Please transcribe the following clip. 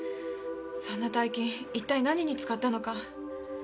そんな大金一体何に使ったのか。